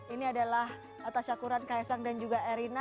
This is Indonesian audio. ini adalah tasyakuran kak isang dan juga erina